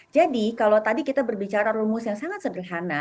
jadi kalau tadi kita berbicara rumus yang sangat sederhana